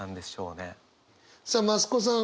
さあ増子さん